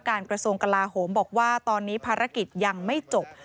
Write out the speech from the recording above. กระทรวงกลาโหมบอกว่าตอนนี้ภารกิจยังไม่จบ